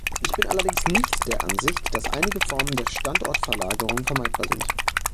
Ich bin allerdings nicht der Ansicht, dass einige Formen der Standortverlagerung vermeidbar sind.